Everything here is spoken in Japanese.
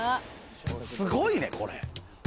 すごいね、これ。